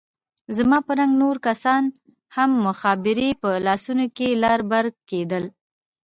زما په رنګ نور کسان هم مخابرې په لاسو کښې لر بر کېدل.